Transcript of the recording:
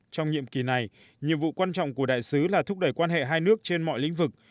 trong nhiệm kỳ này nhiệm vụ quan trọng của đại sứ là thúc đẩy quan hệ hai nước trên mọi lĩnh vực